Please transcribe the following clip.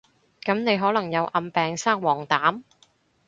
噉你可能有暗病生黃疸？